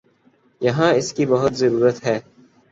یہاں اس کی بہت ضرورت ہے۔